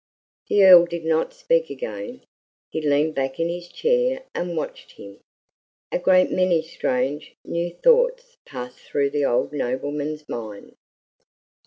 The Earl did not speak again. He leaned back in his chair and watched him. A great many strange new thoughts passed through the old nobleman's mind.